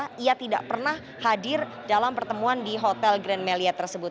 bahwa ia tidak pernah hadir dalam pertemuan di hotel grenmelia tersebut